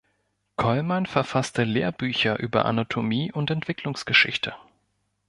Kollmann verfasste Lehrbücher über Anatomie und Entwicklungsgeschichte.